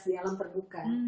di alam terbuka